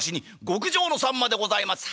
極上のさんまでございます」。